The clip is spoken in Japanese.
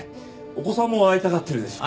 お子さんも会いたがってるでしょう？